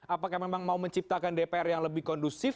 apakah memang mau menciptakan dpr yang lebih kondusif